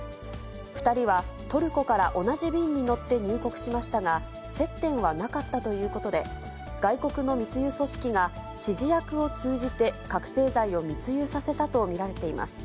２人はトルコから同じ便に乗って入国しましたが、接点はなかったということで、外国の密輸組織が、指示役を通じて覚醒剤を密輸させたと見られています。